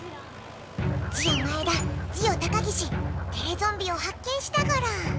ジオ前田ジオ高岸テレゾンビを発見したゴロ。